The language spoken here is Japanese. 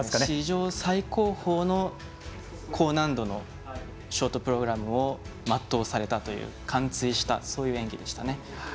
史上最高峰の高難度のショートプログラムを全うされたという完遂したそういう演技でしたね。